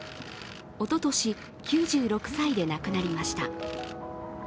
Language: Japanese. おととし、９６歳で亡くなりました。